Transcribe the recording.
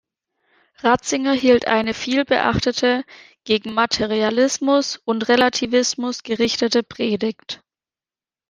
Ratzinger hielt eine vielbeachtete, gegen Materialismus und Relativismus gerichtete Predigt.